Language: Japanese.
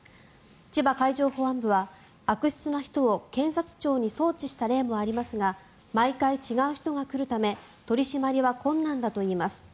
千葉海上保安部は、悪質な人を検察庁に送致した例もありますが毎回違う人が来るため取り締まりは困難だといいます。